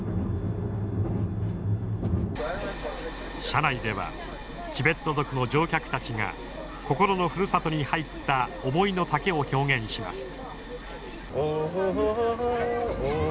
車内ではチベット族の乗客たちが心のふるさとに入った思いのたけを表現します。